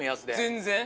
全然。